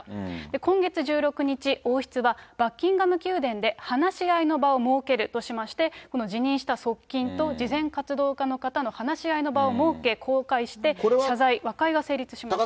今月１６日、王室はバッキンガム宮殿で話し合いの場を設けるとしまして、この辞任した側近と慈善活動家の方の話し合いの場を設け、公開して謝罪、和解が成立しました。